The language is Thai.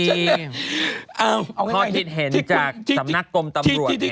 พอทิศเห็นจากสำนักกรมตำรวจแห่งชาติ